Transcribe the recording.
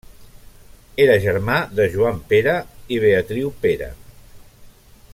Era germà de Joan Pere i Beatriu Pere.